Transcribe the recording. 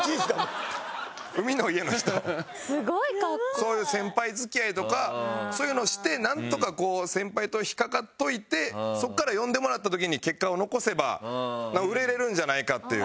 そういう先輩付き合いとかそういうのをしてなんとかこう先輩と引っかかっといてそこから呼んでもらった時に結果を残せば売れるんじゃないかっていう。